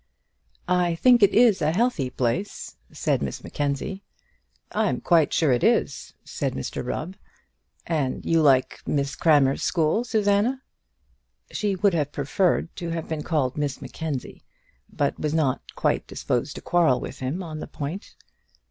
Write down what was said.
"I think it is a healthy place," said Miss Mackenzie. "I'm quite sure it is," said Mr Rubb. "And you like Mrs Crammer's school, Susanna?" She would have preferred to have been called Miss Mackenzie, but was not disposed to quarrel with him on the point.